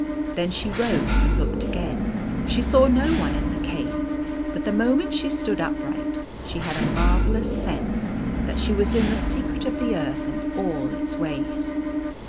Then she rose and looked again. She saw no one in the cave. But the moment she stood upright she had a marvellous sense that she was in the secret of the earth and all its ways.